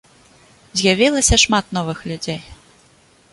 З'явілася шмат новых людзей.